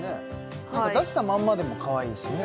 何か出したまんまでもかわいいしね